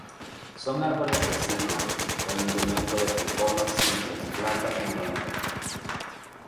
Son árboles deciduos, con indumento de tricomas simples; plantas monoicas.